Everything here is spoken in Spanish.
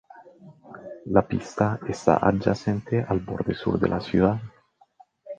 La pista está adyacente al borde sur de la ciudad.